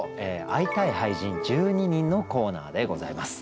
「会いたい俳人、１２人」のコーナーでございます。